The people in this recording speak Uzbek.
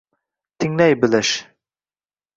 Tinglay bilish.